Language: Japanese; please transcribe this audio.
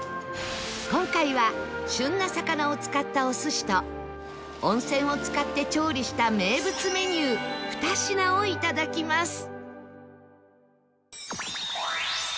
今回は旬な魚を使ったお寿司と温泉を使って調理した名物メニュー２品をいただきます